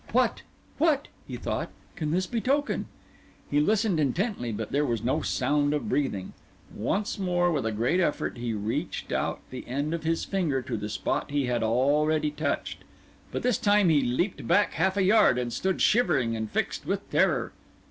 "What, what," he thought, "can this betoken?" He listened intently, but there was no sound of breathing. Once more, with a great effort, he reached out the end of his finger to the spot he had already touched; but this time he leaped back half a yard, and stood shivering and fixed with terror.